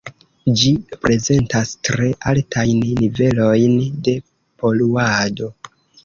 Ĝi prezentas tre altajn nivelojn de poluado.